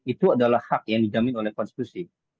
itu adalah hak yang dijamin oleh konstitusi